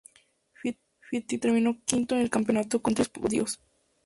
Fittipaldi terminó quinto en el campeonato con tres podios.